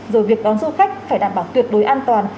rồi việc đón du khách phải đảm bảo tuyệt đối an toàn